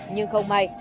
nhưng không may